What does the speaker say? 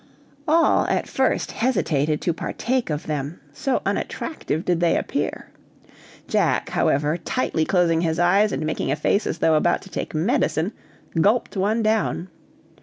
All at first hesitated to partake of them, so unattractive did they appear. Jack, however, tightly closing his eyes and making a face as though about to take medicine, gulped one down.